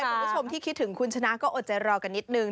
คุณผู้ชมที่คิดถึงคุณชนะก็อดใจรอกันนิดนึง